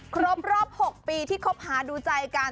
ครบรอบ๖ปีที่คบหาดูใจกัน